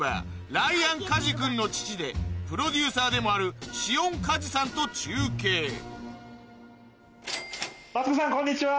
ライアン・カジ君の父でプロデューサーでもあるシオン・カジさんと中継マツコさんこんにちは！